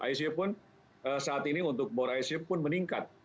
icu pun saat ini untuk bor icu pun meningkat